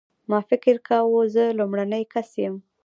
ما فکر کاوه زه لومړنی کس یم.